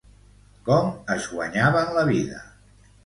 Com es guanyaven la vida?